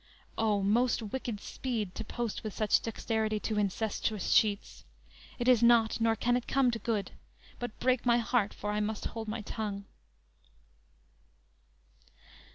O, most wicked speed to post With such dexterity to incestuous sheets! It is not, nor can it come to good; But break, my heart, for I must hold my tongue!"